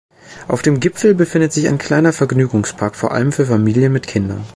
Auf dem Gipfel befindet sich ein kleiner Vergnügungspark vor allem für Familien mit Kindern.